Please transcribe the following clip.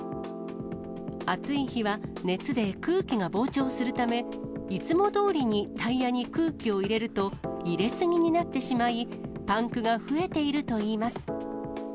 暑い日は、熱で空気が膨張するため、いつもどおりにタイヤに空気を入れると入れ過ぎになってしまい、パンクが増えているといいます。